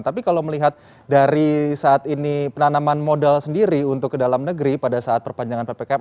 tapi kalau melihat dari saat ini penanaman modal sendiri untuk ke dalam negeri pada saat perpanjangan ppkm